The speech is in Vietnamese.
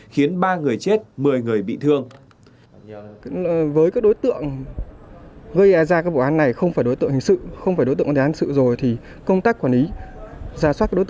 khiến ba người chết một mươi người bị thương